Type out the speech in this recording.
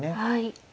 はい。